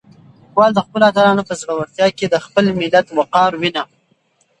لیکوال د خپلو اتلانو په زړورتیا کې د خپل ملت وقار وینه.